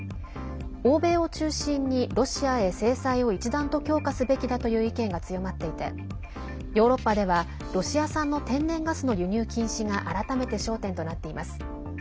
欧米を中心にロシアへ制裁を一段と強化すべきだという意見が強まっていてヨーロッパではロシア産の天然ガスの輸入禁止が改めて焦点となっています。